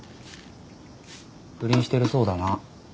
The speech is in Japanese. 不倫してるそうだな。